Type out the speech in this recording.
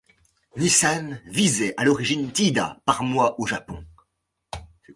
Nissan visait à l'origine Tiida par mois au Japon.